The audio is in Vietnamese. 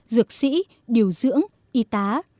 dược sĩ điều dưỡng y tá